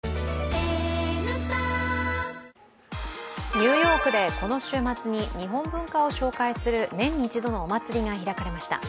ニューヨークでこの週末に日本文化を紹介する年に一度のお祭りが開かれました。